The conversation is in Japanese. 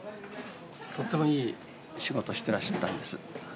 とってもいい仕事をしてらしたんです。